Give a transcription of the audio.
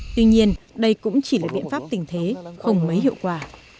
tuy nhiên đây cũng chỉ là biện pháp tình thế không mấy hiệu quả